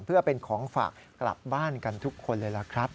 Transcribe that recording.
เพื่อเป็นของฝากกลับบ้านกันทุกคนเลยล่ะครับ